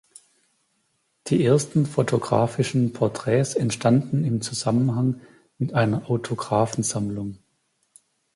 Die ersten fotografischen Porträts entstanden im Zusammenhang mit einer Autographensammlung.